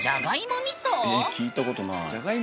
え聞いたことない。